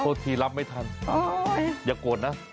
ทีรับไม่ทันอย่าโกรธนะ